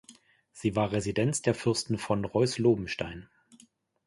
Sie war Residenz der Fürsten von Reuß-Lobenstein.